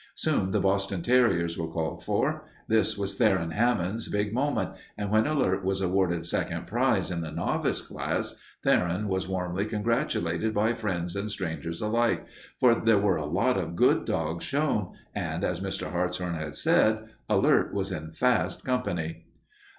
Soon the Boston terriers were called for. This was Theron Hammond's big moment, and when Alert was awarded second prize in the novice class Theron was warmly congratulated by friends and strangers alike, for there were a lot of good dogs shown and, as Mr. Hartshorn had said, Alert was in fast company.